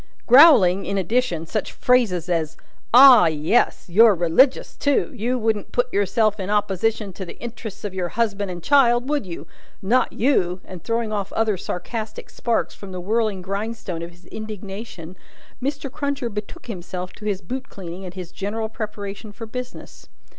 Growling, in addition, such phrases as "Ah! yes! You're religious, too. You wouldn't put yourself in opposition to the interests of your husband and child, would you? Not you!" and throwing off other sarcastic sparks from the whirling grindstone of his indignation, Mr. Cruncher betook himself to his boot cleaning and his general preparation for business.